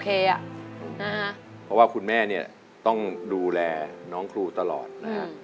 เพราะว่าคุณแม่เนี่ยต้องดูแลน้องครูตลอดนะฮะ